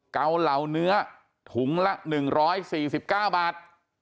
เกาเหล่าเนื้อถุงละ๑๔๙บาท